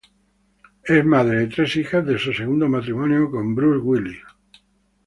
Es madre de tres hijas de su segundo matrimonio con Bruce Willis.